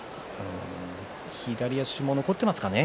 左足も残っていますかね？